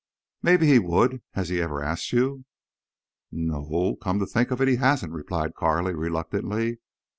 "Maybe he would. Has he ever asked you?" "No o—come to think of it, he hasn't," replied Carley, reluctantly.